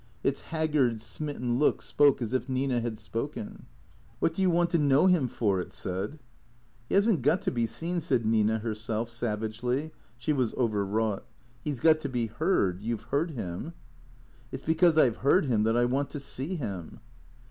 Its hag gard, smitten look spoke as if Nina had spoken. " What do you want to know him for ?" it said. " He has n't got to be seen," said Nina herself savagely. She was overwrought. " He 's got to be heard. You 've heard him." " It 's because I 've heard him that I want to see him."